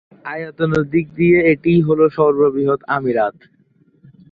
আয়তনের দিক দিয়ে এটিই হলো সর্ববৃহৎ আমিরাত।